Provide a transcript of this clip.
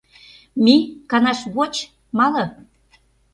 Мий, канаш воч, мале.